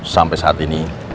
sampai saat ini